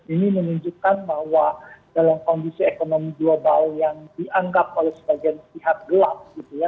ini menunjukkan bahwa dalam kondisi ekonomi global yang dianggap oleh sebagian pihak gelap gitu ya